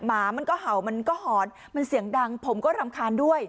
หมามันก็เห่ามันก็หอนมันเสียงดังผมก็รำคาญด้วย